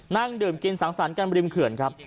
นั่งดื่มกินสังสรรค์กันริมเขื่อนครับ